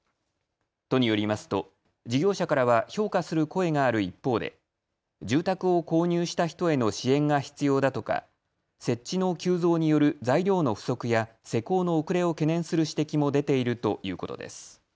都によりますと事業者からは評価する声がある一方で住宅を購入した人への支援が必要だとか設置の急増による材料の不足や施工の遅れを懸念する指摘も出ているということです。